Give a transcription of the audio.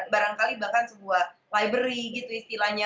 barangkali bahkan sebuah library gitu istilahnya